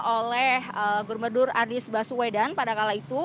oleh gubernur anies baswedan pada kala itu